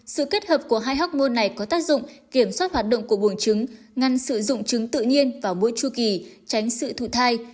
sự kết hợp của hai hormone này có tác dụng kiểm soát hoạt động của bùng trứng ngăn sử dụng trứng tự nhiên vào mỗi chua kỳ tránh sự thụ thai